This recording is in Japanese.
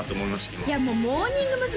今いやもうモーニング娘。